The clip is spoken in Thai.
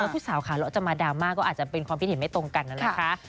ผู้สาวขาเราจะมาดราม่าก็อาจจะเป็นความคิดเห็นไม่ตรงกันนะคะ